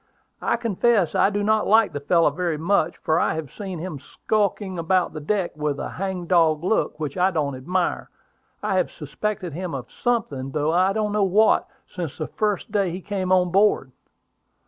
I confess that I do not like the fellow very much, for I have seen him skulking about the deck with a hang dog look which I don't admire. I have suspected him of something, though I don't know what, since the first day he came on board.